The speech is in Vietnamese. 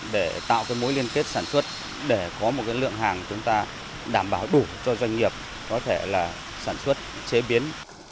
để tạo cái mối liên kết sản xuất để có một lượng hàng chúng ta đảm bảo đủ cho doanh nghiệp có thể là sản xuất chế biến